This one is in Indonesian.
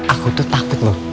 aku tuh takut loh